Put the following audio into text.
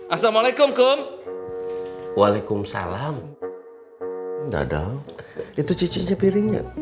assalamualaikum waalaikumsalam dadah itu cicinya piringnya